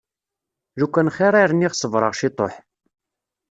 Lukan xir i rniɣ ṣebreɣ ciṭuḥ.